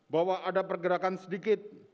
bahwa ada pergerakan sedikit